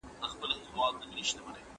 هر انسان ښې او بدې ځانګړنې لري.